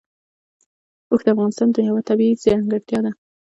اوښ د افغانستان یوه طبیعي ځانګړتیا ده.